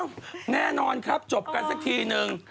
มันเป็นแรงครับจบกันสักทีหนึ่ง